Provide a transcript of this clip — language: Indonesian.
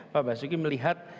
pak basuki melihat